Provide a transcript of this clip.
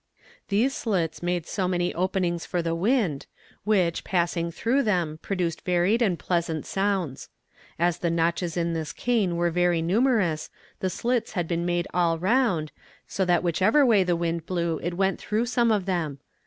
These slits made so many openings for the wind, which, passing through them, produced varied and pleasant sounds. As the notches in this cane were very numerous, the slits had been made all round, so that whichever way the wind blew it went through some of them.